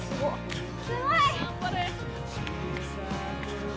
すごい！